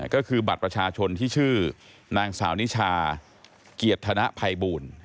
ก็คือบัตรประชาชนที่ชื่อนางสาวนิชาเกียรติธนภัยบูล